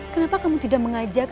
kenapa kamu tidak mengajak